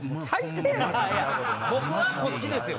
僕はこっちですよ。